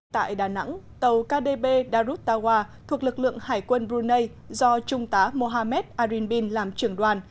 tại đà nẵng tàu kdb darut tawa thuộc lực lượng hải quân brunei do trung tá mohammed arinbin làm trưởng đoàn